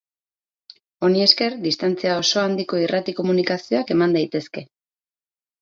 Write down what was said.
Honi esker distantzia oso handiko irrati komunikazioak eman daitezke.